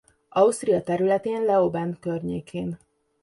Ausztria területén Leoben környékén.